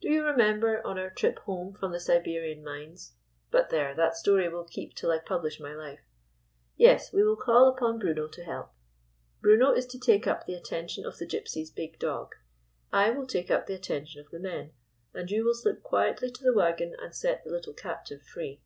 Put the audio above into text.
Do you remember, on our trip home from the Siberian mines — But there, that story will keep till I publish my life. Yes, we will call upon Bruno to help. Bruno is to take up the attention of the Gyp sies* big dog; I will take up the attention of the men, and you will slip quietly to the wagon and set the little captive free.